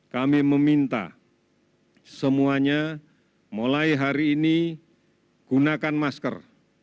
kami meminta semuanya mulai hari ini gunakan masker